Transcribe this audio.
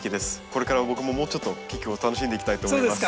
これから僕ももうちょっと菊を楽しんでいきたいと思います。